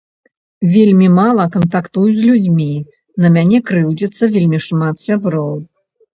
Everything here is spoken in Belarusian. Вельмі мала кантактую з людзьмі, на мяне крыўдзіцца вельмі шмат сяброў.